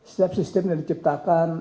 setiap sistem yang diciptakan